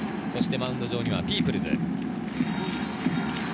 マウンド上にはピープルズ。